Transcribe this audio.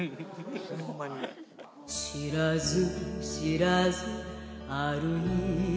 「知らず知らず歩いて来た」